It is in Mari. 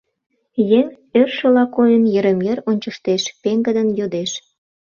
Еҥ, ӧршыла койын, йырым-йыр ончыштеш, пеҥгыдын йодеш: